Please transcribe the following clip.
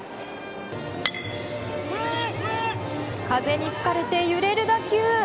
風に吹かれて揺れる打球。